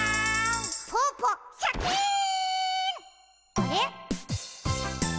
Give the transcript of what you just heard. あれ？